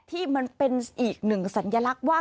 ที่มันเป็นอีกหนึ่งสัญลักษณ์ว่า